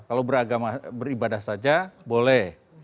kalau beribadah saja boleh